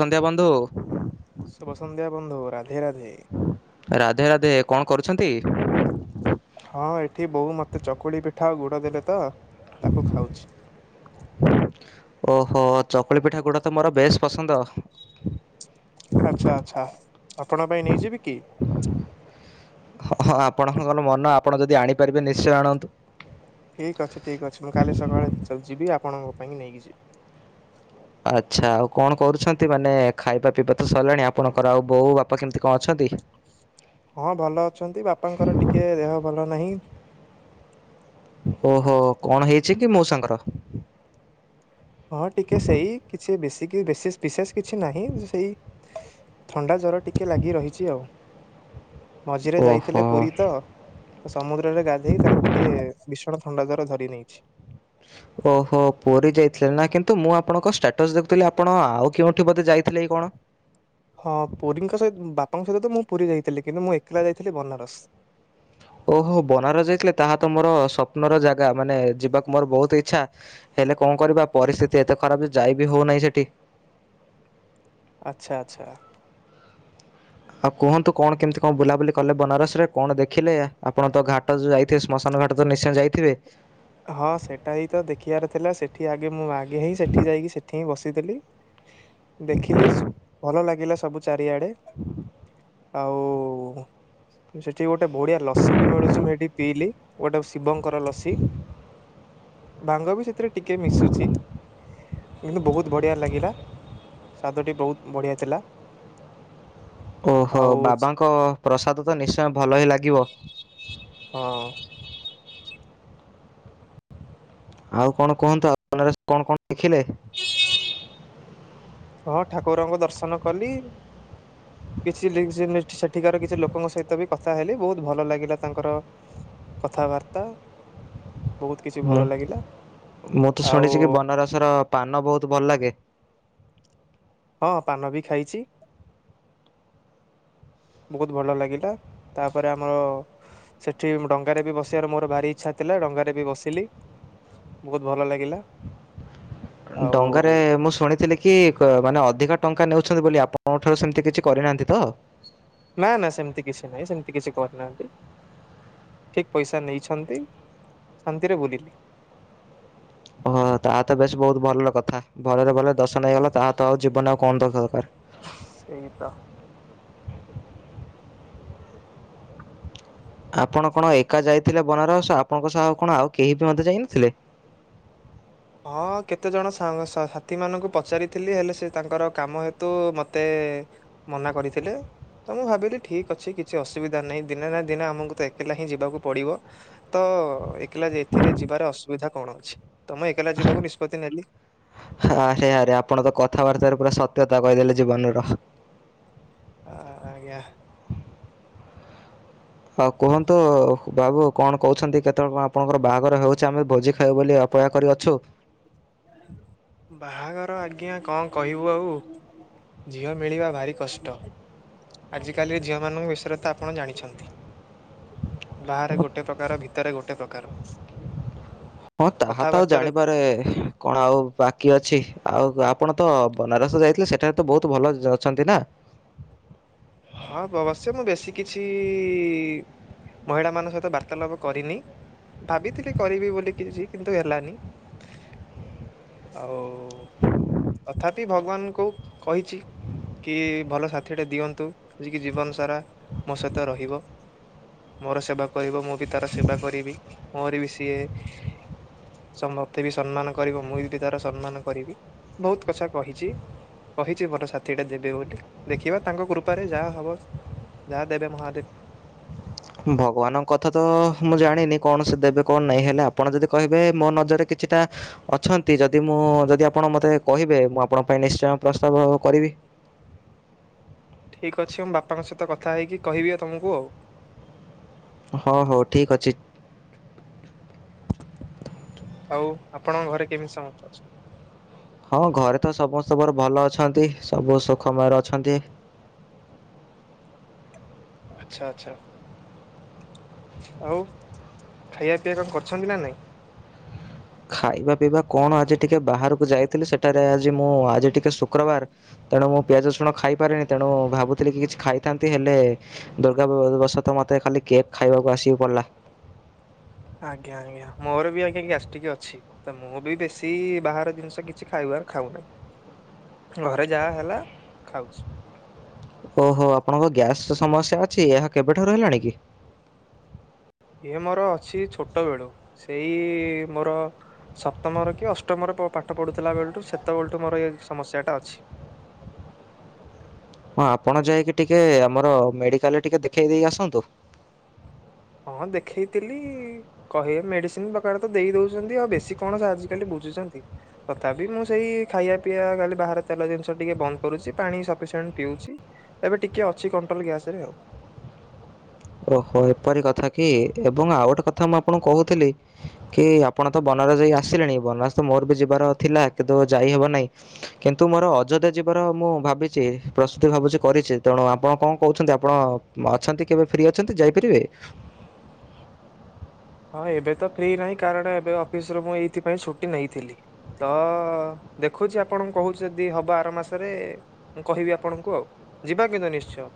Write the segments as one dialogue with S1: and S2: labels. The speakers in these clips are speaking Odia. S1: ସନ୍ଧ୍ୟା ବନ୍ଧୁ।
S2: ଶୁଭ ସନ୍ଧ୍ୟା ବନ୍ଧୁ। ରାଧେ ରାଧେ।
S1: ରାଧେ ରାଧେ କଣ କରୁଛନ୍ତି?
S2: ହଁ ଏଠି ବୋଉ ମତେ ଚକୁଳି ପିଠା ଆଉ ଗୁଡ ଦେଲେ ତ ତାକୁ ଖାଉଛି।
S1: ଓହୋ ଚକୁଳି ପିଠା ଗୁଡ ତ ମୋର ବେଶ୍ ପସନ୍ଦ।
S2: ଆଚ୍ଛା ଆଚ୍ଛା ଆପଣଙ୍କ ପାଇଁ ନେଇଯିବି କି?
S1: ହଁ ହଁ ଆପଣଙ୍କର ମନ ଆପଣ ଯଦି ଆଣିପାରିବେ ନିଶ୍ଚେ ଆଣନ୍ତୁ।
S2: ଠିକ୍ ଅଛି ଠିକ୍ ଅଛି ମୁଁ କାଲି ସକାଳେ ଜ ଯିବି ଆପଣଙ୍କ ପାଇଁ ନେଇକି ଯିବି।
S1: ଆଚ୍ଛା ଆଉ କଣ କରୁଛନ୍ତି? ମାନେ ଖାଇବା ପିଇବା ତ ସରିଲାଣି ଆପଣଙ୍କର ଆଉ ବୋଉ ବାପା କେମିତି କଣ ଅଛନ୍ତି?
S2: ହଁ ଭଲ ଅଛନ୍ତି। ବାପାଙ୍କର ଟିକିଏ ଦେହ ଭଲ ନାହିଁ।
S1: ଓହୋ କଣ ହେଇଛି କି ମଉସାଙ୍କର?
S2: ହଁ ଟିକିଏ ସେଇ କିଛି ବେଶୀ ବିଶେଷ କିଛି ନାହିଁ ସେଇ ଥଣ୍ଡା ଜର ଟିକିଏ ଲାଗି ରହିଛି ଆଉ। ମଝିରେ
S1: ଓହୋ
S2: ଯାଇଥିଲେ ପୁରୀ ତ ସମୁଦ୍ରରେ ଗାଧେଇ ତାଙ୍କୁ ଟିକିଏ ବିଷଣ ଥଣ୍ଡା ଜର ଧରି ନେଇଛି।
S1: ଓହୋ ପୁରୀ ଯାଇଥିଲେ ନା କିନ୍ତୁ ମୁଁ ଆପଣଙ୍କଷ୍ଟାଟ ଫଟସ୍ ଦେଖୁଥିଲି ଆପଣ ଆଉ କେଉଁଠି ବୋଧେ ଯାଇଥିଲେ କି କଣ।
S2: ହଁ ପୁରୀଙ୍କ ସହିତ ବାପାଙ୍କ ସହିତ ମୁଁ ପୁରୀ ଯାଇଥିଲି। କିନ୍ତୁ ମୁଁ ଏକେଲା ଯାଇଥିଲି ବନାରସ।
S1: ଓହୋ ବନାରସ ଯାଇଥିଲେ ତାହା ତ ମୋର ସ୍ୱପ୍ନର ଜାଗା। ମାନେ ଯିବାକୁ ମୋର ବହୁତ୍ ଇଚ୍ଛା। ହେଲେ କଁ କରିବା ପରିସ୍ଥିତି ଏତେ ଖରାପ୍ ଯେ ଯାଇ ବିି ହଉ ନାଇ ସେଟି।
S2: ଆଚ୍ଛା ଆଚ୍ଛା।
S1: ଆଉ କୁହନ୍ତୁ କଣ କେମିତି କଁ ବୁଲାବୁଲି କଲେ ବନାରସ୍ ରେ କଣ ଦେଖିଲେ ଆପଣ ତ ଘା ଟ ଯୁ ଯାଇଥିବେ ଶ୍ମଶାନ ଘାଟ ତ ନିଶ୍ଚୟ ଯାଇଥିବେ?
S2: ହଁ ସେଟା ହି ତ ଦେଖିଆର ଥିଲା ସେଠି ଆଗେ ମୁଁ ଆଗେ ହିଁ ସେଠି ଯାଇକି ସେଠି ହିଁ ବସିଥିଲି।
S1: [inaudible]
S2: ଦେଖିଲିସ୍ ଭଲ ଲାଗିଲା ସବୁ ଚାରିଆଡେ। ଆଉ ଉଁ ସେଠି ଗୋଟେ ବଢିଆ ଲସି ବି ମିଳୁଚି ମୁଁ ସେଇଠି ପିଇଲି ଗୋଟେ ଶିବ କର ଲସି। ଭାଙ୍ଗ ବି ସେଥିରେ ଟିକେ ମିଶୁଛି। କିନ୍ତୁ ବହୁତ୍ ବଢ଼ିଆ ଲାଗିଲା ସ୍ୱାଦଟି ବହୁତ୍ ବଢ଼ିଆ ଥିଲା।
S1: ଓହୋ
S2: ଆଉ
S1: ବାବାଙ୍କ ପ୍ରସାଦ ତ ନିଶ୍ଚୟ ଭଲ ହିଁ ଲାଗିବ।
S2: ହଁ।
S1: ଆଉ କଣ କୁହନ୍ତୁ ଆ [unintelligible] କଣ କଣ ଦେଖିଲେ?
S2: ହଁ ଠାକୁରଙ୍କ ଦର୍ଶନ କଲି। କିଛି ଲିଙ୍କ୍ସ [unintelligible] ସେଠିକାର କିଛି ଲୋକଙ୍କ ସହିତ ବି କଥା ହେଲି ବହୁତ୍ ଭଲ ଲାଗିଲା ତାଙ୍କର କଥାବାର୍ତ୍ତା ବହୁତ୍ କିଛି
S1: ମୁଁ
S2: ଭଲ ଲାଗିଲା ଆଉ
S1: ସର ପାନ ବହୁତ୍ ଭଲ ଲାଗେ।
S2: ହଁ ପାନ ବି ଖାଇଚି। ବହୁତ୍ ଭଲ ଲାଗିଲା ତାପରେ ଆମର ସେଠି ଡଙ୍ଗାରେ ବି ବସିଆର ମୋର ଭାରି ଇଚ୍ଛା ଥିଲା ଡଙ୍ଗାରେ ବି ବସିଲି। ବହୁତ୍ ଭଲ ଲାଗିଲା।
S1: ଅଁ
S2: ଆଉ
S1: ଡଙ୍ଗାରେ ମୁଁ ଶୁଣିଥିଲି କି କ ମାନେ ଅଧିକ ଟଙ୍କା ନେଉଛନ୍ତି ବୋଲି ଆପଣଙ୍କ ଠାରୁ ସେମିତି କିଛି କରିନାହାନ୍ତି ତ?
S2: ନା-ନା ସେମିତି କିଛି ନାଇଁ ସେମିତି କିଛି କରିନାହାନ୍ତି। ଠିକ୍ ପଇସା ନେଇଛନ୍ତି ଶାନ୍ତିରେ ବୁଲିଲି।
S1: ଓହୋ ତାହା ତ ବେଶ୍ ବହୁତ୍ ଭଲ କଥା ଭଲରେ ଭଲ ଦର୍ଶନ ହେଇଗଲା ତାହା ତ ଆଉ ଜୀବନ ଆଉ କଁ [unintelligible] ଦରକାର୍।
S2: ସେଇ ତ।
S1: ଆପଣ କଣ ଏକା ଯାଇଥିଲେ ବନାରସ୍ ଆପଣଙ୍କ ସହ ଆଉ କଣ ଆଉ କେହି ବି ମଧ୍ୟ ଯାଇନଥିଲେ?
S2: ହଁ କେତେ ଜଣ ସାଙ୍ଗ୍ ସାଥି ମାନଙ୍କୁ ପଚାରିଥିଲି ହେଲେ ସେ ତାଙ୍କର କାମ ହେତୁ ମତେ ମନା କରିଥିଲେ। ତ ମୁଁ ଭାବିଲି ଠିକ୍ ଅଛି କିଛି ଅସୁବିଧା ନାଇ ଦିନେ ନା ଦିନେ ଆମକୁ ତ ଏକେଲା ହିଁ ଯିବାକୁ ପଡିବ। ତ ଏକେଲା ଯେ ଏଥିରେ ଯିବାର ଅସୁବିଧା କଣ ଅଛି ତ ମୁଁ ଏକେଲା ଯିବାକୁ ନିଷ୍ପତ୍ତି ନେଲି।
S1: ହାରେ ଆରେ ଆପଣ ତ କଥାବାର୍ତ୍ତାରେ ପୁରା ସତ୍ୟତା କହିଦେଲେ ଜୀବନର।
S2: ଆ ଆଜ୍ଞା।
S1: ହଉ କୁହନ୍ତୁ ବାବୁ କଣ କହୁଛନ୍ତି କେତେଅଳ କଣ ଆପଣଙ୍କର ବାହାଘର ହେଉଛି ଆମେ ଭୋଜି ଖାଇବୁ ବୋଲି ଅ ପୟା କରିଅଛୁ।
S2: ବାହାଘର ଆଜ୍ଞା କଁ କହିବୁ ଆଉ ଝିଅ ମିଳିବା ଭାରି କଷ୍ଟ। ଆଜି କାଲି ଝିଅ ମାନଙ୍କ ବିଷୟରେ ତ ଆପଣ ଜାଣିଛନ୍ତି। ବାହାରେ ଗୋଟେ ପ୍ରକାର ଭିତରେ ଗୋଟେ ପ୍ରକାର।
S1: ହଁ ତାହା ତ ଆଉ
S2: କଥାବାର୍ତ୍ତାରେ
S1: ଜାଣିବାରେ ଏ କଣ ଆଉ ବାକି ଅଛି ଆଉ ଗ ଆପଣ ତ ବନାରସ ଯାଇଥିଲେ ସେଠାରେ ତ ବହୁତୁ ଭଲ ଜ ଅଛନ୍ତି ନା।
S2: ହଁ ବବଶ୍ୟ ମୁଁ ବେଶୀ କିଛି ଇ-ଇ-ଇ-ଇ ମହିଳାମାନଙ୍କ ସହିତ ବାର୍ତ୍ତାଳାପ କରିନି। ଭାବିଥିଲି କରିବି ବୋଲି କିଛି କିନ୍ତୁ ହେଲାନି। ଓ ତଥାପି ଭଗବାନଙ୍କୁ କହିଛି କି ଭଲ ସାଥିଟେ ଦିଅନ୍ତୁ। ଯେ କି ଜୀବନ ସାରା ମୋ ସହିତ ରହିବ। ମୋର ସେବା କରିବ ମୁଁ ବି ତାର ସେବା କରିବି ମୋର ବି ସିଏ ମତେ ବି ସମ୍ମାନ କରିବ ମୁଁ ବି ତାର ସମ୍ମାନ କରିବି ବହୁତ କଥା କହିଛି। କହିଛି ମୋର ସାଥିୀଟେ ଦେବେ ବୋଲି ଦେଖିବା ତାଙ୍କ କୃ ପା ରେ ଯାହା ହବ ଯାହା ଦେବେ ମହାଦେବ।
S1: ଭଗବାନଙ୍କ କଥା ତ ମୁଁ ଜାଣିନି କଣ ସେ ଦେବେ କଣ ନାହିଁ ହେଲେ ଆପଣ ଯଦି କହିବେ ମୋ ନଜରରେ କିଛିଟା ଅଛନ୍ତି ଯଦି ମୁଁ ଯଦି ଆପଣ ମତେ କହିବେ ମୁଁ ଆପଣଙ୍କ ପାଇଁ ନିଶ୍ଚୟ ପ୍ରସ୍ତାବ କରିବି।
S2: ଠିକ୍ ଅଛି ମୁଁ ବାପାଙ୍କ ସହିତ କଥା ହେଇକି କହିବି ଆ ତମକୁ ଆଉ।
S1: ହଉ ହଉ ଠିକ ଅଛି।
S2: ଆଉ ଆପଣଙ୍କ ଘରେ କେମିତି ସମସ୍ତେ ଅଛନ୍ତି?
S1: ହଁ ଘରେ ତ ସମସ୍ତେ ମୋର ଭଲ ଅଛନ୍ତି ସବୁ ସୁଖମୟର ଅଛନ୍ତି।
S2: ଆଛା ଆଚ୍ଛା। ଆଉ ଖାଇବା ପିଇବା କଣ କରିଛନ୍ତି ନା ନାଇଁ?
S1: ଖାଇବା ପିଇବା କଣ ଆଜି ଟିକେ ବାହାରକୁ ଯାଇଥିଲି ସେଠାରେ ଆଜି ମୁଁ ଆଜି ଟିକେ ଶୁକ୍ରବାର ତେଣୁ ମୁଁ ପିଆଜ ରଷୁଣ ଖାଇପାରେନି ତେଣୁ ଭାବୁଥିଲି କିଛି ଖାଇଥାନ୍ତି ହେଲେ ଦୁର୍ଗାବଶତଃ ମତେ ଖାଲି କେକ୍ ଖାଇବାକୁ ଆସିକି ପଡ଼ିଲା।
S2: ଆଜ୍ଞା ଆଜ୍ଞା ମୋର ବି ଆଜ୍ଞା ଗ୍ୟାସ୍ ଟିକ ଅଛି। ତ ମୁଁ ବି ବେଶୀ ବାହାର ଜିନିଷ କିଛି ଖାଇବ ଖାଉ ନାହିଁ। ଘରେ ଯାହା ହେଲା ଖାଉଛି।
S1: ଓହୋ ଆପଣଙ୍କ ଗ୍ୟାସ ସମସ୍ୟା ଅଛି ଏହା କେବେଠାରୁ ହେଲାଣି କି?
S2: ଇଏ ମୋର ଅଛି ଛୋଟ ବେଳୁ ସେଇ ମୋର ସପ୍ତମରେ କି ଅଷ୍ଟମରେ ପାଠ ପଢୁଥିଲା ବେଳଠୁ ସେତେବେଳଠୁ ମୋର ଏଇ ସମସ୍ୟା ଟା ଅଛି।
S1: ହଁ ଆପଣ ଯାଇକି ଟିକେ ଆମର ମେଡ଼ିକାଲରେ ଟିକେ ଦେଖେଇ ଦେଇ ଆସନ୍ତୁ।
S2: ହଁ ଦେଖଇଥିଲି କହିବେ ମେଡିସିନ ପ୍ରକାର ତ ଦେଇ ଦଉଛନ୍ତି ଆଉ ବେଶୀ କଣ ଆଜିକାଲି ବୁଝୁଛନ୍ତି। ତଥାପି ମୁଁ ସେଇ ଖାଇବା ପିଇବା କାଲି ବାହାରେ ତେଲ ଜିନିଷ ଟିକେ ବନ୍ଦ କରୁଛି ପାଣି ସଫିସିଣ୍ଟ ପିଉଛି। ଏବେ ଟିକେ ଅଛି କଣ୍ଟ୍ରୋଲ ଗ୍ୟାସ ରେ ଆଉ।
S1: ଓହୋ ଏପରି କଥା କି ଏବଂ ଆଉ ଗୋଟେ କଥା ମୁଁ ଆପଣଙ୍କୁ କହୁଥିଲି କି ଆପଣ ତ ବନାରସ ଜାଇ ଆସିଲେଣି ବନାରସ ତ ମୋର ବି ଯିବାର ଥିଲା କିନ୍ତୁ ଯାଇହବ ନାହିଁ। କିନ୍ତୁ ମୋର ଅଯୋଧ୍ୟା ଯିବାର ମୁଁ ଭାବିଛି ପ୍ରସ୍ତୁତି ଭାବୁଛି କରିଛି ତେଣୁ ଆପଣ କଣ କହୁଛନ୍ତି ଆପଣ ଅଛନ୍ତି କେବେ ଫ୍ରି ଅଛନ୍ତି ଯାଇପାରିବେ?
S2: ହଁ ଏବେ ତ ଫ୍ରି ନାହିଁ କାରଣ ଏବେ ଅଫିସରୁ ମୁଁ ଏଇଥିପାଇଁ ଛୁଟି ନେଇଥିଲି। ତ ଦେଖୁଛି ଆପଣଙ୍କୁ କହୁଛି ଯଦି ହବ ଆର ମାସରେ ମୁଁ କହିବି ଆପଣଙ୍କୁ ଆଉ ଯିବା କିନ୍ତୁ ନିଶ୍ଚୟ।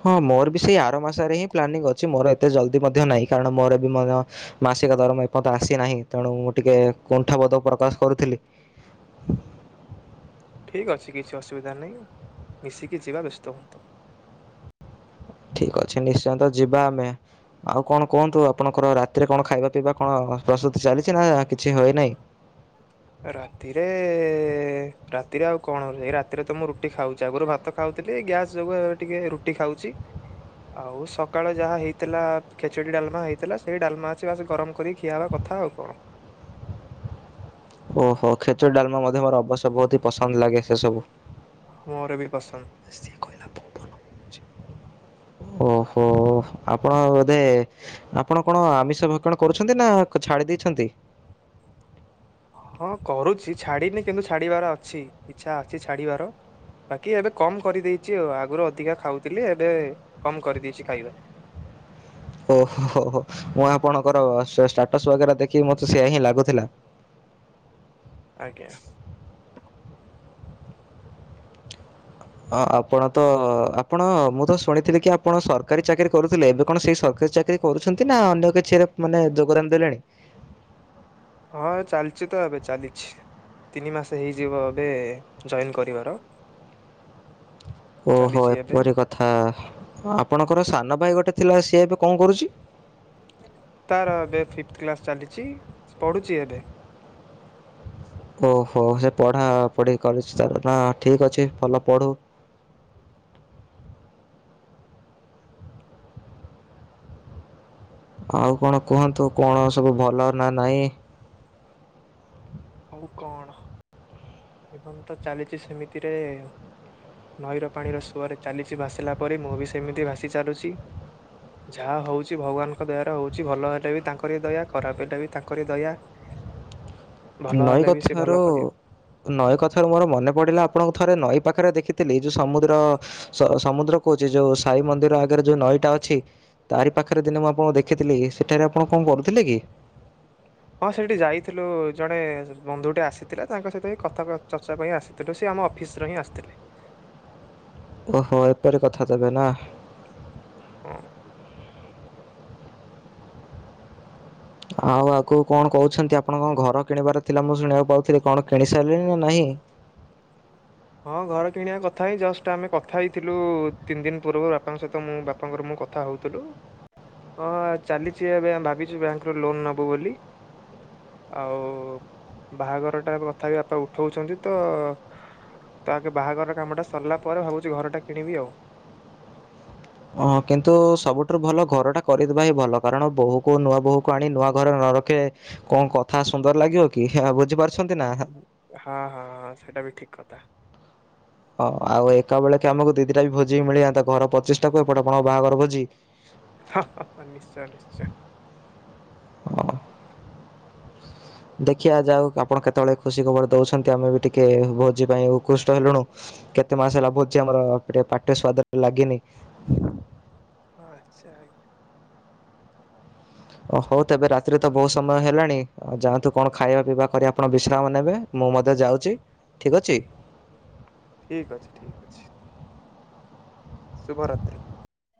S1: ହଁ ମୋର ବି ସେଇ ଆର ମାସରେ ହିଁ ପ୍ଲାନିଂ ଅଛି ମୋର ଏତେ ଜଲ୍ଦି ମଧ୍ୟ ନାହିଁ କାରଣ ମୋର ବି ମଧ୍ୟ ମାସିକ ଦରମା ଏପର୍ଯ୍ୟନ୍ତ ଆସିନାହିଁ ତେଣୁ ମୁଁ ଟିକେ କୁଣ୍ଠାବୋଧ ପ୍ରକାଶ କରୁଥିଲି।
S2: ଠିକ୍ ଅଛି କିଛି ଅସୁବିଧା ନାହିଁ ମିଶିକି ଯିବା ବ୍ୟସ୍ତ ହୁଅନ୍ତୁନି।
S1: ଠିକ ଅଛ ନିଶ୍ଚୟ ତ ଯିବା ଆମେ। ଆଉ କଣ କୁହନ୍ତୁ ଆପଣଙ୍କର ରାତିରେ କଣ ଖାଇବା ପିଇବା କଣ ପ୍ରସ୍ତୁତି ଚାଲିଛି ନା କିଛି ହୋଇ ନାହିଁ?
S2: ରାତିରେ ରାତିରେ ଆଉ କଣ କରଛି ଏ ରାତିରେ ତ ମୁଁ ରୁଟି ଖାଉଛି ଆଗରୁ ଭା ତ ଖାଉଥିଲି ଗ୍ୟାସ ଯୋଗୁ ଏ ଟିକେ ରୁଟି ଖାଉଚି। ଆଉ ସକାଳ ଯାହା ହେଇଥିଲା ଖେଚୁଡି ଡାଲମା ହେଇଥିଲା ସେଇ ଡାଲମା ଅଛି ବାସ ଗରମ କରି ଖିଆବା କ ଥାଉ କଣ?
S1: ଓହୋ ଖେଚୁଡି ଡାଲମା ମଧ୍ୟ ମୋର ଅବଶ୍ୟ ବହୁତ ହି ପସନ୍ଦ ଲାଗେ ସେ ସବୁ।
S2: ମୋର ବି ପସନ୍ଦ।
S1: ଓହୋ ଆପଣ ବୋଧେ ଆପଣ କଣ ଆମିଷ ଭକ୍ଷଣ କରୁଛନ୍ତି ନା ଛାଡି ଦେଇଛନ୍ତି?
S2: ହଁ କରୁଛି ଛାଡିନି କିନ୍ତୁ ଛାଡିବାର ଅଛି ଇଛା ଅଛି ଛାଡିବାର। ବାକି ଏବେ କମ କରିଦେଇଚି ଆଉ। ଆଗରୁ ଅଧିକା ଖାଉଥିଲି ଏବେ କମ କରିଦେଇଚି ଖାଇବା।
S1: ଓହୋ ମୁଁ ଆପଣଙ୍କର ଷ୍ଟାଟସ୍ ବଗେରା ଦେଖିକି ମତେ ସେଆ ହିଁ ଲାଗୁଥିଲା।
S2: ଆଜ୍ଞା
S1: ହଁ ଆପଣ ତ ଆପଣ ମୁଁ ତ ଶୁଣିଥିଲି କି ଆପଣ ସରକାରୀ ଚାକିରି କରୁଥିଲେ। ଏବେ କଣ ସେଇ ସରକାରୀ ଚାକିରୀ କରୁଛନ୍ତି ନା ଅନ୍ୟ କିଛିରେ ମାନେ ଯୋଗଦାନ ଦେଲେଣି?
S2: ହଁ ଚାଲିଚି ତ ଏବେ ଚାଲିଛି। ତିନି ମାସ ହେଇଯିବ ଏବେ ଜଏନ୍ କରିବାର।
S1: ଓହୋ
S2: ଚାଲିଛି ଏବେ।
S1: ଏପରି କଥା ଆପଣଙ୍କର ସାନ ଭାଇ ଗୋଟେ ଥିଲା ସିଏ ଏବେ କଣ କରୁଚି?
S2: ତାର ଏବେ ଫିଫଥ କ୍ଲାସ ଚାଲିଚି ପଢୁଚି ଏବେ।
S1: ଓହୋ ସେ ପଢ଼ା ପଢ଼ି କରୁଚି ତାଲେ ନା ଠିକ୍ ଅଛି ଭଲ ପଢ଼ୁ। ଆଉ କଣ କୁହନ୍ତୁ କଣ ସବୁ ଭଲ ନା ନାଇଁ?
S2: ହୋଉ କଣ? ଜୀବନ ତ ଚାଲିଚି ସେମିତିରେ। ନଈର ପାଣିର ସୁଅରେ ଚାଲିଚି ଭାସିଲା ପରି ମୁଁ ବି ସେମିତି ଭାସି ଚାଲୁଛି। ଯାହା ହୋଉଚି ଭଗବାନଙ୍କ ଦୟାରେ ହୋଉଚି। ଭଲ ହେଲେ ବି ତାଙ୍କର ଦୟା ଖରାପ ହେଲେ ବି ତାଙ୍କରି ଦୟା। ଭଲ
S1: ନଈ
S2: ହେଲେ ବି ସେ ଭଲ
S1: କଥାରୁ
S2: କରିବ।
S1: ନଈ କଥାରୁ ମୋର ମନେ ପଡିଲା ଆପଣଙ୍କ ଥରେ ନଈ ପାଖରେ ଦେଖିଥିଲି ଯୋଉ ସମୁଦ୍ର ସ ସମୁଦ୍ର କହୁଚି ଯୋଉ ସାଇ ମନ୍ଦିର ଆଗରେ ଯୋଉ ନଈଟା ଅଛି। ତାରି ପାଖରେ ଦିନେ ମୁଁ ଆପଣ ଦେଖିଥିଲି ସେଠାରେ ଆପଣ କଣ କରୁଥିଲେ କି?
S2: ହଁ ସେଠି ଯାଇଥିଲୁ ଜଣେ ବନ୍ଧୁଟେ ଆସିଥିଲା ତାଙ୍କ ସହିତ କଥା ଚର୍ଚ୍ଚା ପାଇଁ ଆସ ଥିଲୁ। ସେ ଆମ ଅଫିସର ହିଁ ଆସଥିଲେ।
S1: ଓହୋ ଏପରି କଥା ତାହେଲେ ନା।
S2: ହୁଁ
S1: ଆଉ ଆଗକୁ କଣ କହୁଛନ୍ତି, ଆପଣଙ୍କ ଘର କିଣିବାର ଥିଲା ମୁଁ ଶୁଣିବାକୁ ପାଉଥିଲି, କଣ କିଣି ସାଇଲେଣି ନା ନାହିଁ?
S2: ହଁ ଘର କିଣିବା କଥା ହେଇ ଜଷ୍ଟ ଆମେ କଥା ହେଇଥିଲୁ ତିନି ଦିନ ପୂର୍ବରୁ ବାପାଙ୍କ ସହିତ ମୁ ବାପାଙ୍କର ମୁ କ ଥା ହୋଉଥୁଲୁ ହଁ ଚାଲିଚି ଏବେ ଭାବିଛୁ ବ୍ୟାଙ୍କରୁ ଲୋନ ନେବୁ ବୋଲି। ଆଉ ବାହାଘରଟା କଥାପି ବାପା ଉଠୋଉଚନ୍ତି ତ। ତ ଆଗେ ବାହାଘର କାମଟା ସରଲା ପରେ ଭାବୁଛି ଘରଟା କିଣିବି ଆଉ।
S1: ହ କିନ୍ତୁ ସବୁଠାରୁ ଭଲ ଘରଟା କରିଦେବା ହିଁ ଭଲ। କାରଣ ବୋହୂକୁ ନୂଆ ବୋହୂକୁ ଆଣି ନୂଆ ଘରେ ନ ରଖିଲେ। କଣ କଥା ସୁନ୍ଦର ଲାଗିବ କି ହେ ବୁଝିପାର
S2: ହଁ ହଁ ହଁ ସେଇଟା ବି ଠିକ କଥା।
S1: ହଁ ଆଉ ଏକା ବେଳକ ଆମକୁ ଦି ଦିଟା ବି ଭୋଜି ମିଳିଯଆନ୍ତା। ଘର ପଚିଶଟାକୁ ଏପଟେ ଆପଣଙ୍କ ବାହାଘର ଭୋଜି।
S2: ହା ହା ହା ନିଶ୍ଚୟ ନିଶ୍ଚୟ।
S1: ହଁ ଦେଖିବା ଯା ହୋଉ ଆପଣ କେତୋବେଳେ ଖୁସି ଖବର ଦୋଉଛନ୍ତି ଆମେ ବି ଟିକେ ଭୋଜି ପାଇଁ ଉକୃଷ୍ଟ ହେଲୁଣୁ। କେତେ ମାସ ହେଲା ଭୋଜି ଆମର ପ୍ରେ ପାଟିରେ ସ୍ୱାଦଟା ଲଗିନି।
S2: ଆଚ୍ଛା ଆଜ୍ଞା।
S1: ଓ ହୋଉ ତେବେ ରାତିରେ ତ ବହୁତ ସମୟ ହେଲାଣି ଆଉ ଯାଆନ୍ତୁ କଣ ଖାଇବା ପିଇବା କରି ଆପଣ ବିଶ୍ରାମ ନେବେ। ମୁଁ ମଧ୍ୟ ଯାଉଛି ଠିକ୍ ଅଛି?
S2: ଠିକ୍ ଅଛି ଠିକ୍ ଅଛି। ଶୁଭରାତ୍ରି।